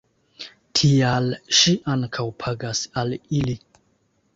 Tial ŝi ankaŭ pagas al ili.